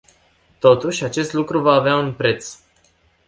Totuși, acest lucru va avea un preț.